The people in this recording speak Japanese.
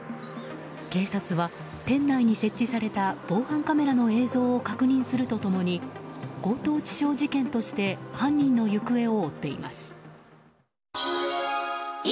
警察は、店内に設置された防犯カメラの映像を確認すると共に強盗致傷事件とみて犯人の行方を追っています。